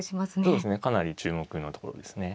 そうですねかなり注目のところですね。